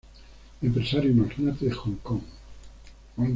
Empresario y magnate de Hong Kong.